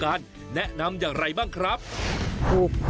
การเปลี่ยนแปลงในครั้งนั้นก็มาจากการไปเยี่ยมยาบที่จังหวัดก้าและสินใช่ไหมครับพี่รำไพ